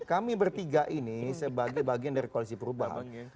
kami bertiga ini sebagai bagian dari koalisi perubahan